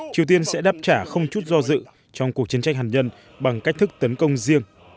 triều tiên sẽ đáp trả không chút do dự trong cuộc chiến tranh hạt nhân bằng cách thức tấn công riêng